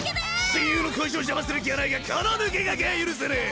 親友の恋路を邪魔する気はないがこの抜け駆けは許せねぇ！